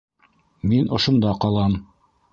Мин ошонда ҡалам.